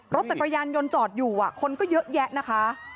รถจักรยานยนต์จอดอยู่คนก็เยอะแยะนะคะ